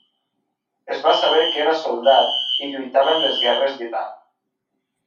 Es va saber que era soldat i lluitava en les guerres d'Itàlia.